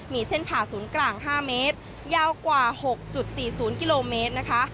มีเส้นผ่าศูนย์กลาง๕เมตรยาวกว่า๖๔๐กิโลเมตรนะคะ